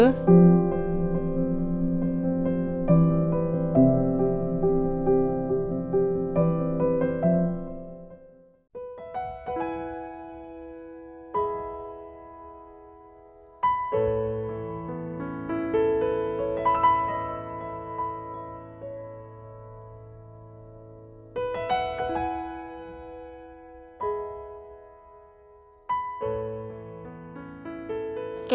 ก็จะได้เรียนหนังสือ